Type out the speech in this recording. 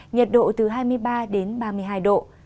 nhiệt độ từ hai mươi ba đến ba mươi hai độ